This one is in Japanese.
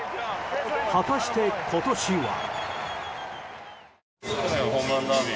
果たして今年は？